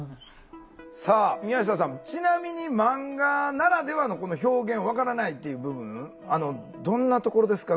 さあ宮下さんちなみにマンガならではのこの表現分からないっていう部分どんなところですか？